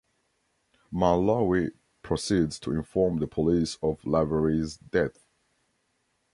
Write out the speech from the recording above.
Marlowe proceeds to inform the police of Lavery's death.